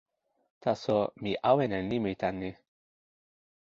taso, mi awen e nimi tan ni.